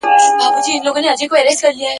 انګرېزان حلاليږي.